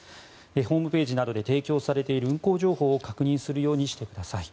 ホームページなどで提供されている運行情報を確認するようにしてください。